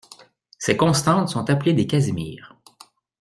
Ces constantes sont appelées des Casimirs